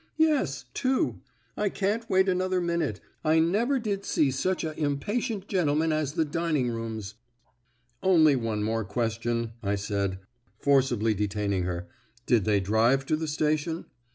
"Yes, two. I can't wait another minute. I never did see such a impatient gentleman as the dining rooms." "Only one more question," I said, forcibly detaining her. "Did they drive to the station?"